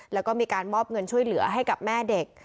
แล้วก็มีการมอบเงินช่วยเหลือให้กับแม่เด็ก